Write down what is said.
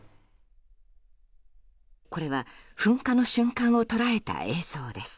これは噴火の瞬間を捉えた映像です。